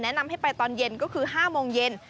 แนะนำให้ไปตอนเย็นก็คือ๕โมงเย็น